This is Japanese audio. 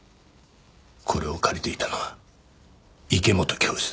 これを借りていたのは池本教授だった。